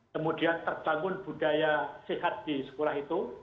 kemudian terbangun budaya sehat di sekolah itu